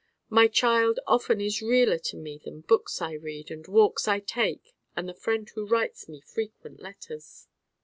My Child often is realer to me than books I read and walks I take and the friend who writes me frequent letters.